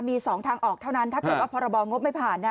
มี๒ทางออกเท่านั้นถ้าเกิดว่าพรบงบไม่ผ่านนะ